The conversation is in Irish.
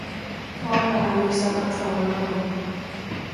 Tá, a bhean uasal, agus tá leabhar agam